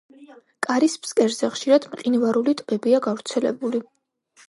კარის ფსკერზე ხშირად მყინვარული ტბებია გავრცელებული.